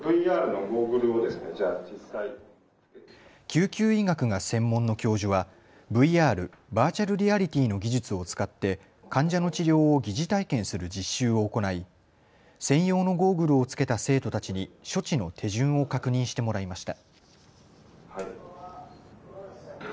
救急医学が専門の教授はＶＲ・バーチャルリアリティーの技術を使って患者の治療を疑似体験する実習を行い専用のゴーグルを着けた生徒たちに処置の手順を確認してもらいました。